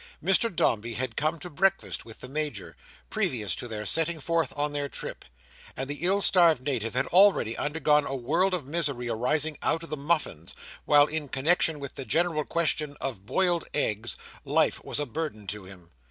Mr Dombey had come to breakfast with the Major, previous to their setting forth on their trip; and the ill starved Native had already undergone a world of misery arising out of the muffins, while, in connexion with the general question of boiled eggs, life was a burden to him.